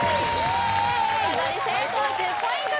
横取り成功１０ポイント